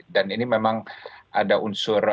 dan ini memang ada unsur